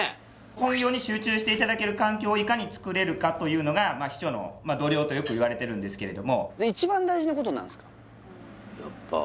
本業に集中していただける環境をいかにつくれるかというのが秘書の度量とよく言われてるんですけれども一番大事なこと何ですか？